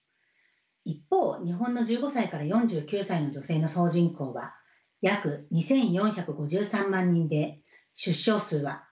一方日本の１５歳から４９歳の女性の総人口は約２，４５３万人で出生数は８１万１，６００人。